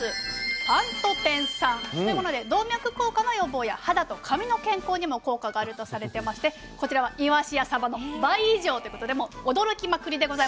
パントテン酸というもので動脈硬化の予防や肌と髪の健康にも効果があるとされてましてこちらはイワシやサバの倍以上ということでもう驚きまくりでございます魚が。